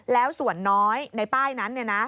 แล้วส่วนน้อยในป้ายนั้นเนี่ยนะ